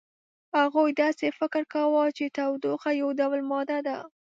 هغوی داسې فکر کاوه چې تودوخه یو ډول ماده ده.